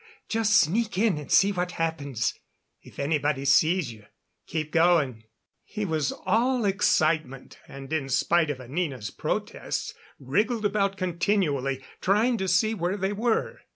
Just sneak in and see what happens. If anybody sees you, keep going." He was all excitement, and in spite of Anina's protests wriggled about continually, trying to see where they were.